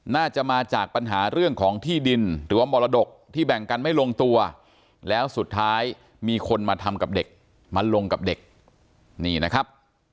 น่าจะมาจากปัญหาเรื่องของที่ดินหรือว่ามรดกที่แบ่งกันไม่ลงตัวแล้วสุดท้ายมีคนมาทำกับเด็กมาลงกับเด็กนี่นะครับ